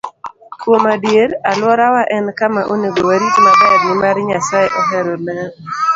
Kuom adier, alworawa en kama onego warit maber, nimar Nyasaye ohero ler.